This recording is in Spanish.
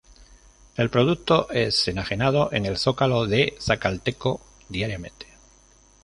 El producto es enajenado en el zócalo de Zacatelco diariamente.